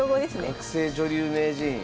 学生女流名人。